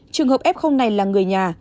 trường hợp f này là người nhà